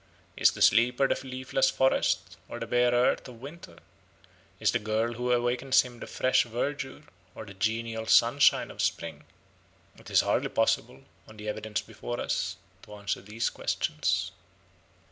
Is the sleeper the leafless forest or the bare earth of winter? Is the girl who awakens him the fresh verdure or the genial sunshine of spring? It is hardly possible, on the evidence before us, to answer these questions.